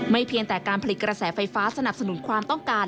เพียงแต่การผลิตกระแสไฟฟ้าสนับสนุนความต้องการ